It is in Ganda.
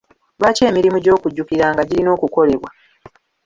Lwaki emirimu gy'okujjukiranga girina okukolebwa?